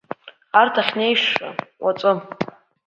Ар ахьнеиша уаҵәы.